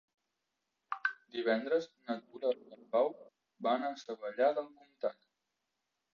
Divendres na Tura i en Pau van a Savallà del Comtat.